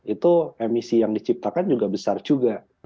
itu emisi yang diciptakan juga besar juga